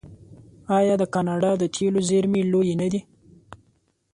آیا د کاناډا د تیلو زیرمې لویې نه دي؟